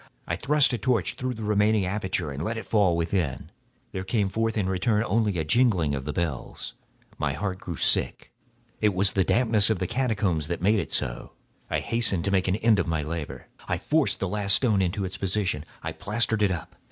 I thrust a torch through the remaining aperture and let it fall within. There came forth in return only a jingling of the bells. My heart grew sick—on account of the dampness of the catacombs. I hastened to make an end of my labor. I forced the last stone into its position; I plastered it up.